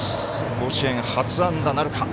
甲子園初安打なるか。